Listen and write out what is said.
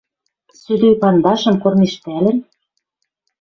Сӧдӧй пандашым кормежтӓлӹн